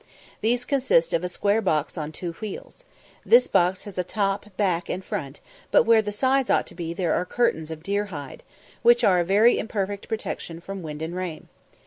These consist of a square box on two wheels. This box has a top, back, and front, but where the sides ought to be there are curtains of deer hide, which are a very imperfect protection from wind and rain.